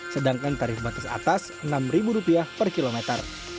sedangkan tarif batas atas rp enam per kilometer